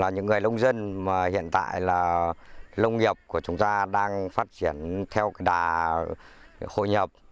những người lông dân mà hiện tại là lông nghiệp của chúng ta đang phát triển theo đà hồi nhập